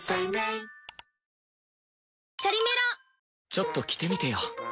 ちょっと着てみてよ！